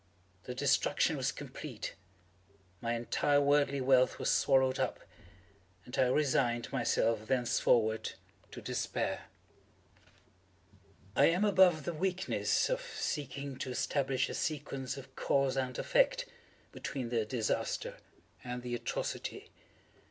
The destruction was complete. My entire worldly wealth was swallowed up, and I resigned myself thenceforward to despair. I am above the weakness of seeking to establish a sequence of cause and effect, between the disaster and the atrocity.